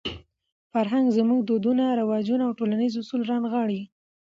فرهنګ زموږ دودونه، رواجونه او ټولنیز اصول رانغاړي.